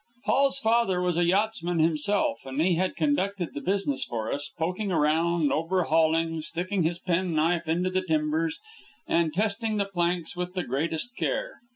Paul's father was a yachtsman himself, and he had conducted the business for us, poking around, overhauling, sticking his penknife into the timbers, and testing the planks with the greatest care.